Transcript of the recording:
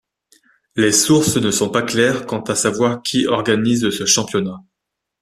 Les sources ne sont pas claires quant à savoir qui organise ce championnat.